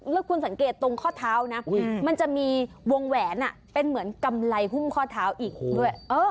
แล้วคุณสังเกตตรงข้อเท้านะมันจะมีวงแหวนเป็นเหมือนกำไรหุ้มข้อเท้าอีกด้วย